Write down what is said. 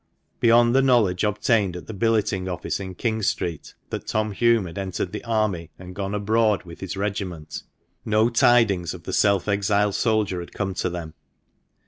Beyond the knowledge obtained at the billeting office in King Street that Tom Hulme had entered the army and gone abroad with his regiment, no tidings of the self exiled soldier had come to them.